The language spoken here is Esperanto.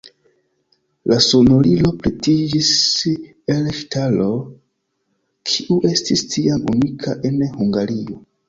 La sonorilo pretiĝis el ŝtalo, kiu estis tiam unika en Hungario.